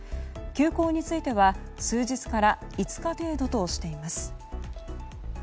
休校については数日から５日程度としています。